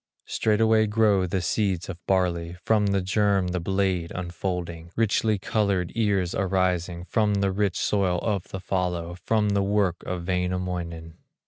Straightway grow the seeds of barley, From the germ the blade unfolding, Richly colored ears arising, From the rich soil of the fallow, From the work of Wainamoinen.